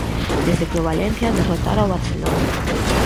Desde que o Valencia derrotara o Barcelona.